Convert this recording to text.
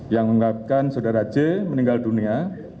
yang mengungkapkan saudara j meninggal dunia